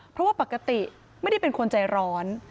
เพราะว่าปกติไม่ได้เป็นคนใจร้อน